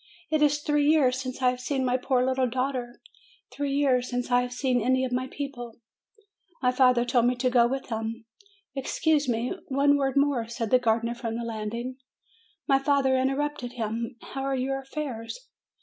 It is three years since I have seen my poor little daughter! Three years since I have seen any of my people !" My father told me to go with him. "Excuse me; one word more," said the gardener, from the landing. My father interrupted him, "How are your affairs?"